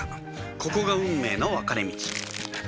ここが運命の分かれ道